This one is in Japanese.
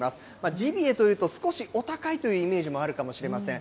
ジビエというと、少しお高いというイメージもあるかもしれません。